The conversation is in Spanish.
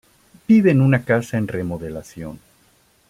Vive en una casa en remodelación.